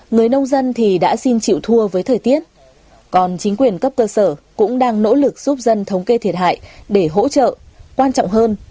người nông dân thì đã xin chịu thua với thời tiết còn chính quyền cấp cơ sở cũng đang nỗ lực giúp dân thống kê thiệt hại để hỗ trợ quan trọng hơn